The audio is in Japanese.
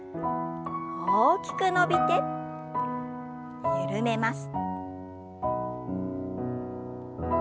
大きく伸びて緩めます。